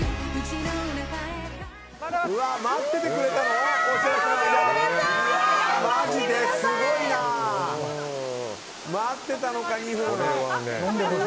２分、待ってたのか。